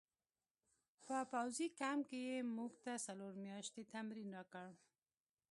په پوځي کمپ کې یې موږ ته څلور میاشتې تمرین راکړ